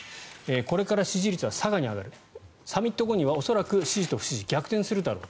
これから支持率は更に上がりサミット後には恐らく支持と不支持は逆転するだろう